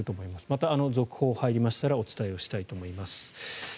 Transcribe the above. また続報が入りましたらお伝えしていきたいと思います。